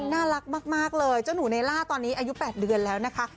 น่ารักมากเลยเจ้าหนูในล่าตอนนี้อายุ๘เดือนแล้วนะคะ